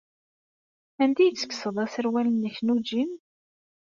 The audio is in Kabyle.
Anda ay tekkseḍ aserwal-nnek n ujin?